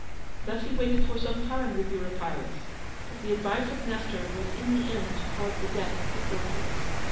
Thus he waited for some time with Eurypylus, but the advice of Nestor was in the end to cause the death of Patroclus.